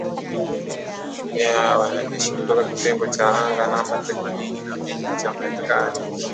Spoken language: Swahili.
Mamia ya wanajeshi kutoka kitengo cha anga namba themanini na mbili cha Marekani